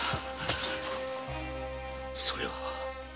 それは。